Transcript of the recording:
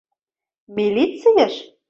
Милицийыш?